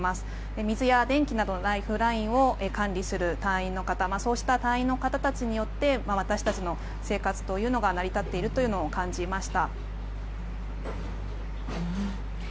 水や電気などのライフラインを管理する隊員の方そうした隊員の方たちによって私たちの生活が成り立っているというのを感じました。